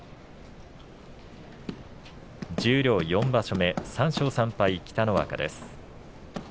十両４場所目、３勝３敗北の若です。